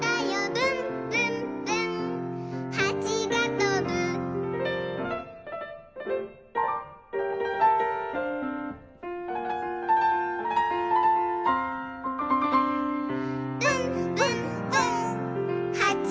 「ぶんぶんぶんはちがとぶ」「ぶんぶんぶんはちがとぶ」